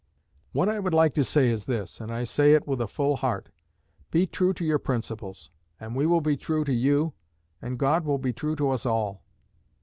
What I would like to say is this, and I say it with a full heart: Be true to your principles, and we will be true to you, and God will be true to us all."